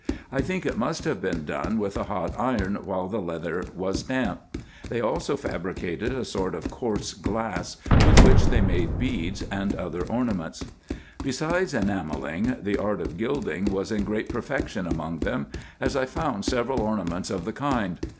I think it must have been done with a hot iron while the leather was damp. They also fabricated a sort of coarse glass, with which they made beads and other ornaments. Beside enamelling, the art of gilding was in great perfection among them, as I found several ornaments of the kind.